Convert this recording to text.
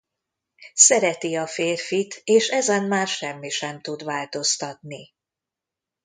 Szereti a férfit és ezen már semmi sem tud változtatni.